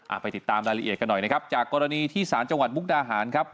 ไปติดตามรายละเอียดกันหน่อยนะครับจากกรณีที่สารจังหวัดมุกดาหารครับ